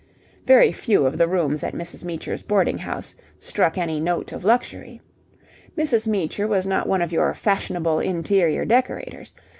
Very few of the rooms at Mrs. Meecher's boarding house struck any note of luxury. Mrs. Meecher was not one of your fashionable interior decorators.